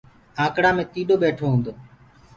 آنڪڙآ مي ٽيڏو جيت ڪآندو هي۔